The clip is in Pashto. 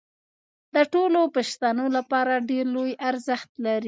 د ټولو پښتنو لپاره ډېر لوی ارزښت لري